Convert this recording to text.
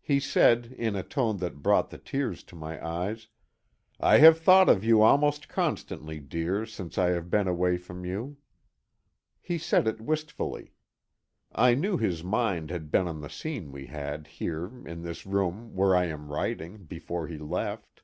He said, in a tone that brought the tears to my eyes: "I have thought of you almost constantly, dear, since I have been away from you." He said it wistfully. I knew his mind had been on the scene we had, here, in this room where I am writing, before he left.